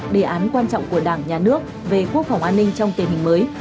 đề án quan trọng của đảng nhà nước về quốc phòng an ninh trong tình hình mới